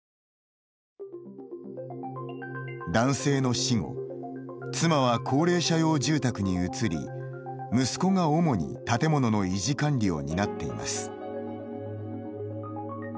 男性の死後妻は高齢者用住宅に移り息子が主に建物の維持管理を担っています。